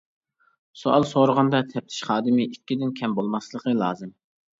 سوئال سورىغاندا تەپتىش خادىمى ئىككىدىن كەم بولماسلىقى لازىم.